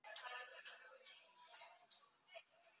Two companion cookbooks were written along with the show.